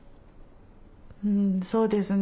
うんそうですね。